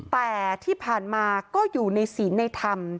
แต่ที่ผ่านมาก็อยู่ในศีลในธรรม